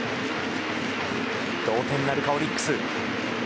同点なるか、オリックス。